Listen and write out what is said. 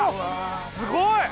すごい！